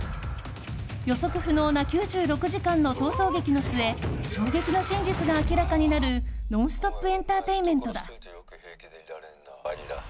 予測不能な９６時間の逃走劇の末衝撃の真実が明らかになるノンストップエンターテインメントだ。